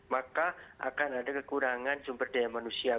maka akan ada kekurangan sumber daya manusia